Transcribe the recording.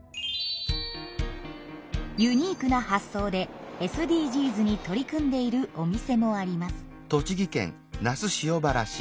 ユニークな発想でＳＤＧｓに取り組んでいるお店もあります。